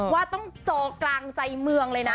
ว่าต้องเจอกลางใจเมืองเลยนะ